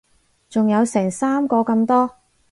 仲有成三個咁多